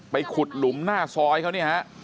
ขุดหลุมหน้าซอยเขาเนี่ยฮะ